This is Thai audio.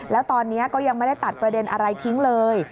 แล้วตอนนี้ก็ยังไม่ได้ตัดประเด็นอะไรทิ้งเลย